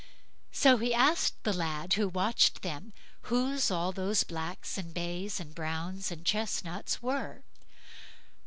So he asked the lad who watched them, whose all these blacks, and bays, and browns, and chesnuts were?